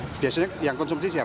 biasanya yang konsumsi siapa